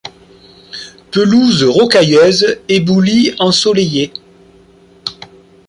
Pelouses rocailleuses, éboulis ensoleillés.